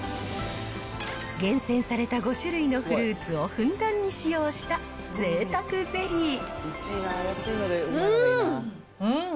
厳選された５種類のフルーツをふんだんに使用した、ぜいたくゼリうーん！